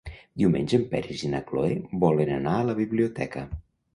Diumenge en Peris i na Cloè volen anar a la biblioteca.